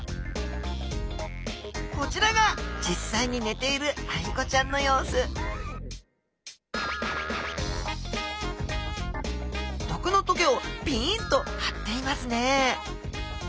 こちらが実際に寝ているアイゴちゃんの様子毒の棘をピンと張っていますね